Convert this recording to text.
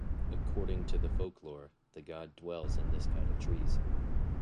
According to the folklore, the god dwells in this kind of trees.